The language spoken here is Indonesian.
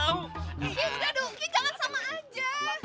jangan sama aja